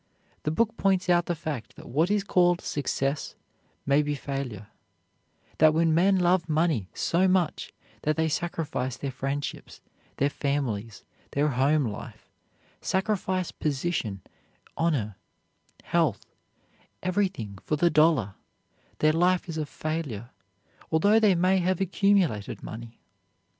The book points out the fact that what is called success may be failure; that when men love money so much that they sacrifice their friendships, their families, their home life, sacrifice position, honor, health, everything for the dollar, their life is a failure, although they may have accumulated money.